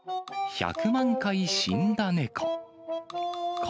１００万回死んだねこ。